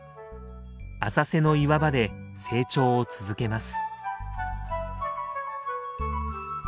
浅瀬の岩場で成長を続けます。